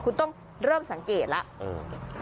คุณต้องเริ่มสังเกตแล้ว